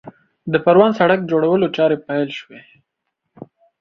د پروان سړک جوړولو چارې پیل شوې